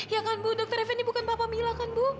ya kan bu dokter effendi bukan papa mila kan bu